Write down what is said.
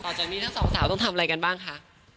จากนี้ทั้งสองสาวต้องทำอะไรกันบ้างคะ